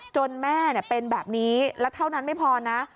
แม่เป็นแบบนี้แล้วเท่านั้นไม่พอนะ